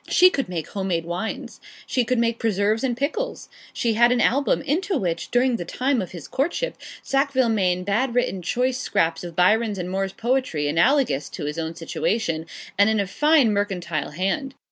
She could make home made wines. She could make preserves and pickles. She had an album, into which, during the time of his courtship, Sackville Maine bad written choice scraps of Byron's and Moore's poetry, analogous to his own situation, and in a fine mercantile hand.